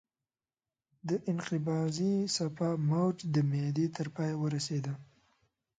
د انقباضي څپه موج د معدې تر پایه ورسېده.